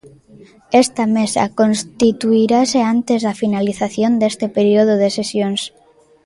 Esta mesa constituirase antes da finalización deste período de sesións.